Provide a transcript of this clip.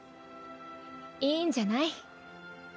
いいんじゃない？